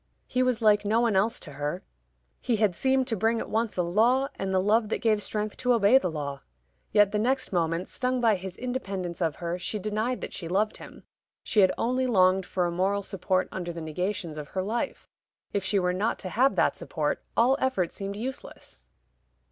He was like no one else to her: he had seemed to bring at once a law, and the love that gave strength to obey the law. Yet the next moment, stung by his independence of her, she denied that she loved him; she had only longed for a moral support under the negations of her life. If she were not to have that support, all effort seemed useless.